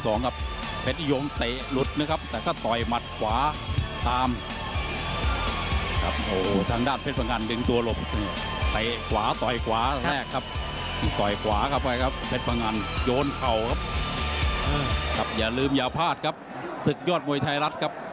สุดยอดมวยไทยรัฐครับ